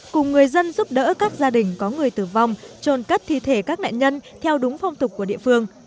cùng người dân giúp đỡ các gia đình có người tử vong trồn cất thi thể các nạn nhân theo đúng phong tục của địa phương